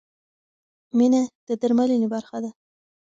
مینه د درملنې برخه ده.